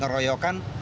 dia sudah diangkat